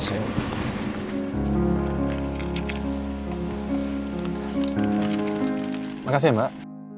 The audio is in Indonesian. selamat malam mbak